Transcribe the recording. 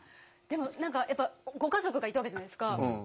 でも何かやっぱご家族がいたわけじゃないですか。